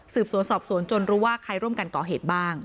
สวนสอบสวนจนรู้ว่าใครร่วมกันก่อเหตุบ้าง